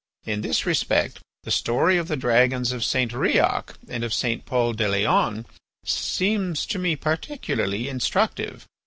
In this respect the story of the dragons of St. Riok and of St. Pol de Leon seems to me particularly instructive.